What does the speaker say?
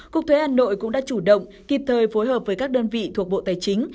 cục thuế hà nội cũng đã chủ động kịp thời phối hợp với các đơn vị thuộc bộ tài chính